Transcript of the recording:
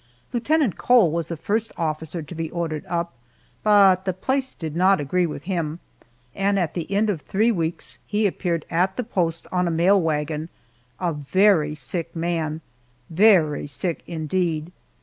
Lieutenant Cole was the first officer to be ordered up, but the place did not agree with him, and at the end of three weeks he appeared at the post on a mail wagon, a very sick man very sick indeed!